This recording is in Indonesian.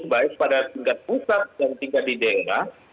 baik pada tingkat pusat dan tingkat di daerah